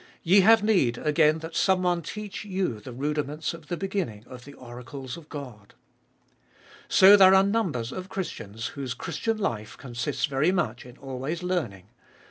Ye have need again that some one teach you the rudiments of the beginning of the oracles of God. So there are numbers of Christians whose Christian life consists very much in always learning.